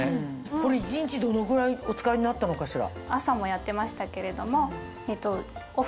これ一日どのぐらいお使いになったのかしら？